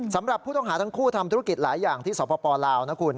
สำหรับผู้ต้องหาทั้งคู่ทำธุรกิจหลายอย่างที่สปลาวนะคุณ